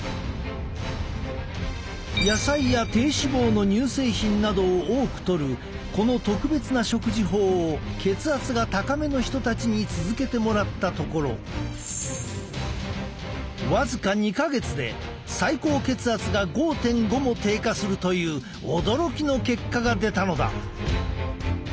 野菜や低脂肪の乳製品などを多くとるこの特別な食事法を血圧が高めの人たちに続けてもらったところ僅か２か月で最高血圧が５．５も低下するという驚きの結果が出たのだ！